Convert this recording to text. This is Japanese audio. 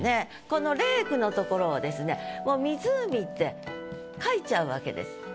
この「レーク」のところを「湖」って書いちゃうわけです。